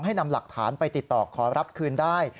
นำหลักฐานไปติดต่อขอรับคืนได้